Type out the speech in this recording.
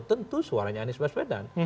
tentu suaranya anies westwedan